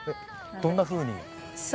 どんなふうに？